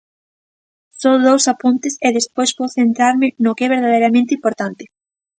Só dous apuntes e despois vou centrarme no que é verdadeiramente importante.